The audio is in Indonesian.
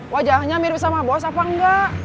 wajahnya mirip sama bos apa enggak